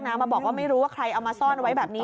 มาบอกว่าไม่รู้ว่าใครเอามาซ่อนไว้แบบนี้